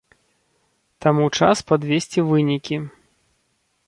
Таму час падвесці вынікі.